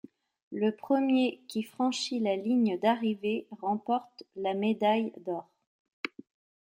Le premier qui franchit la ligne d'arrivée remporte la médaille d'or.